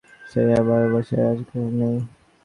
সেই আর বছর গিয়াছে আর আসে নাই।